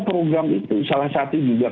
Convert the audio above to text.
program itu salah satu juga